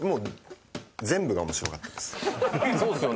全部が面白かったです。